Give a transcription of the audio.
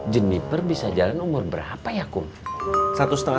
jenniper bisa jalan umur berapa ya kum